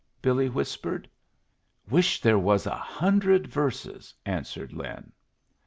Billy whispered. "Wish there was a hundred verses," answered Lin.